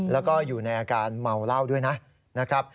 แล้วก็อยู่ในอาการเมาเหล้าด้วยนะครับ